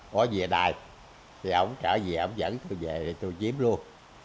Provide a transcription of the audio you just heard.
bỏ về đài thì ông trở về ông dẫn tôi về thì tôi chiếm luôn